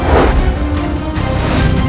kau tidak bisa menang